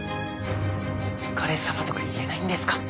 お疲れさまとか言えないんですか。